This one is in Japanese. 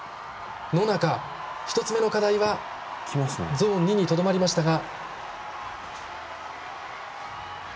野中、１つ目の課題はゾーン２にとどまりましたが。